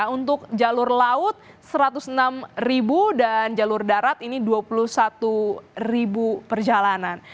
untuk jalur laut satu ratus enam ribu dan jalur darat ini dua puluh satu ribu perjalanan